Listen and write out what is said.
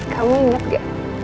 kamu inget gak